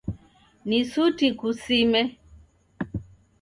Ni suti kusime.